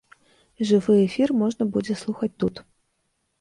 Жывы эфір можна будзе слухаць тут.